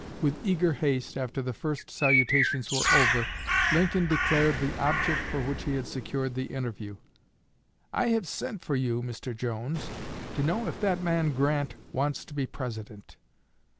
With eager haste, after the first salutations were over, Lincoln declared the object for which he had secured the interview: "'I have sent for you, Mr. Jones, to know if that man Grant wants to be President.'